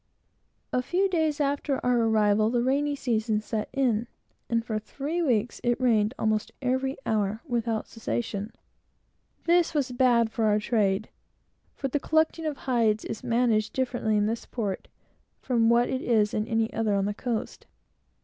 A few days after our arrival, the rainy season set in, and, for three weeks, it rained almost every hour, without cessation. This was bad for our trade, for the collecting of hides is managed differently in this port from what it is in any other on the coast.